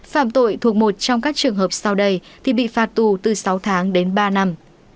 phạm tội thuộc một trong các trường hợp sau đây thì bị phạt tù từ sáu tháng đến ba năm